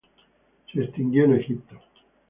Se extinguió en Egipto.